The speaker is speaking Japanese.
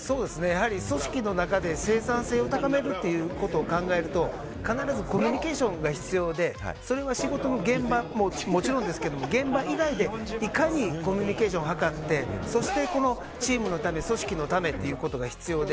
組織の中で生産性を高めるということを考えると必ずコミュニケーションが必要でそれは仕事の現場ももちろんですが、現場以外でいかにコミュニケーションを図ってそして、チームのため組織のためということが必要で。